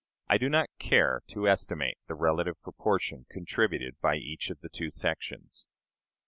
I do not care to estimate the relative proportion contributed by each of the two sections.